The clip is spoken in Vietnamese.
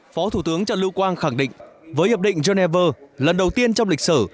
phó thủ tướng trần lưu quang khẳng định với hiệp định geneva lần đầu tiên trong lịch sử